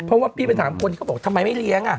เพราะว่าพี่ไปถามคนที่เขาบอกทำไมไม่เลี้ยง